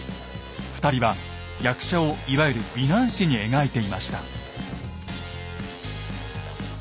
２人は役者をいわゆる美男子に描いていました。